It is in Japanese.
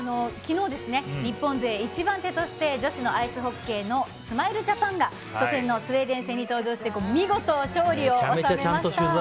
昨日、日本勢一番手として女子のアイスホッケーのスマイルジャパンが初戦のスウェーデン戦に登場して見事、勝利を収めました。